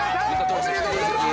おめでとうございます。